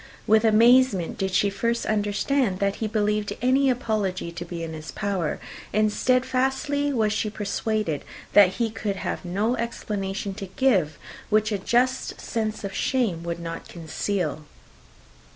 With amazement did she first understand that he believed any apology to be in his power; and steadfastly was she persuaded, that he could have no explanation to give, which a just sense of shame would not conceal.